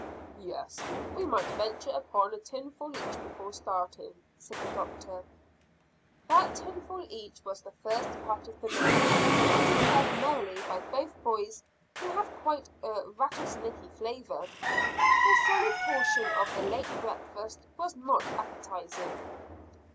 "Yes, we might venture upon a tinful each before starting," said the doctor. That tinful each was the first part of the meal, and declared merrily by both boys to have quite a rattle snaky flavour. The solid portion of the late breakfast was not appetising.